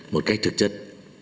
một cách thực chất